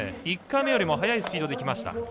１回目よりも速いスピードできました。